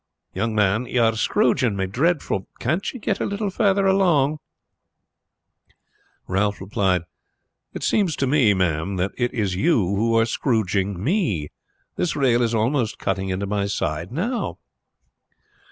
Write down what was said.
Young man, you are scrouging me dreadful! Can't you get a little further along." "It seems to me, ma'am, that it is you who are scrouging me," Ralph replied. "This rail is almost cutting into my side now."